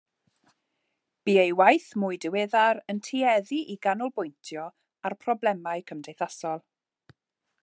Bu ei waith mwy diweddar yn tueddu i ganolbwyntio ar broblemau cymdeithasol.